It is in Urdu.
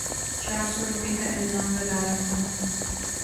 چار سو روپے کا الزام لگایا تھا۔